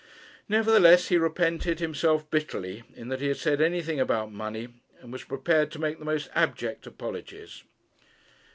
Nevertheless, he repented himself bitterly in that he had said anything about money, and was prepared to make the most abject apologies.